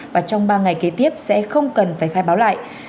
và trong ba ngày kế tiếp sẽ không cần phải khai báo lại